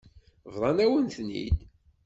Bḍan-awen-ten-id.